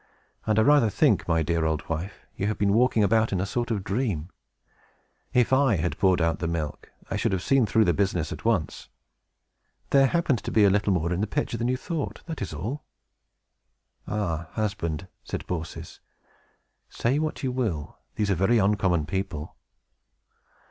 "And I rather think, my dear old wife, you have been walking about in a sort of a dream. If I had poured out the milk, I should have seen through the business at once. There happened to be a little more in the pitcher than you thought, that is all." "Ah, husband," said Baucis, "say what you will, these are very uncommon people."